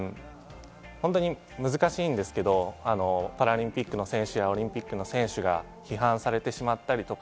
難しいんですけれども、パラリンピックの選手やオリンピックの選手が批判されてしまったりとか。